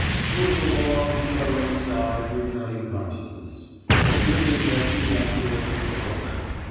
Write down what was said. There was a long, shuddering sigh of re turning consciousness. The dripping head began to lift slowly.